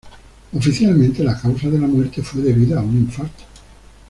Oficialmente, la causa de la muerte fue debida a un infarto.